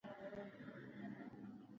نیوټن د جاذبې قانون کشف کړ